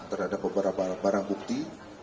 terhadap beberapa barang bukti